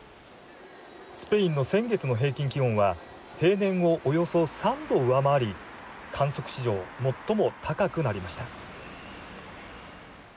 スペインの先月の平均気温は平年を、およそ３度上回り観測史上、最も高くなりました。